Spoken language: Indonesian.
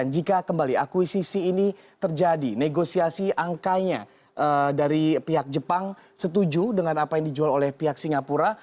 jika kembali akuisisi ini terjadi negosiasi angkanya dari pihak jepang setuju dengan apa yang dijual oleh pihak singapura